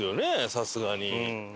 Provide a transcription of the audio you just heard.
さすがに。